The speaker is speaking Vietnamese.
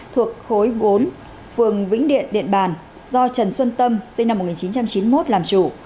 thuộc khối bốn phường vĩnh điện điện bàn do trần xuân tâm sinh năm một nghìn chín trăm chín mươi một làm chủ